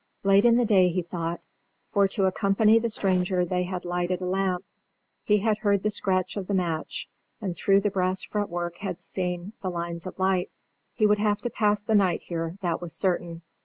Late in the day, he thought, for to accompany the stranger they had lighted a lamp; he had heard the scratch of the match, and through the brass fretwork had seen the lines of light. He would have to pass the night here, that was certain.